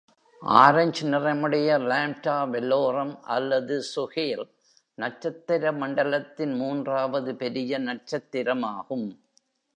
ஆரஞ்ச்-நிறமுடைய lambda வெலோரம், அல்லது சுஹேல் நட்சத்திர மண்டலத்தின் மூன்றாவது பெரிய நட்சத்திரமாகும்.